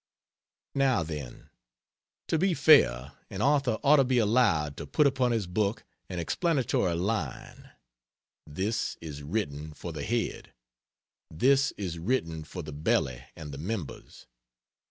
Now, then, to be fair, an author ought to be allowed to put upon his book an explanatory line: "This is written for the Head;" "This is written for the Belly and the Members."